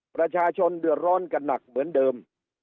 ประชาชนเดือดร้อนกันหนักเหมือนเดิม